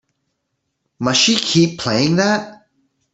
Must she keep playing that?